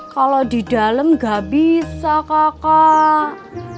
kalau di dalem nggak bisa kakak